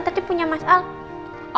tadi punya masalah